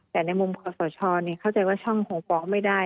แต่ในมุมขอสชเข้าใจว่าช่องคงฟ้องไม่ได้